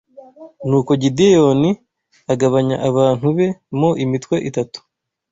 Nuko Gideyoni agabanya abantu be mo imitwe itatu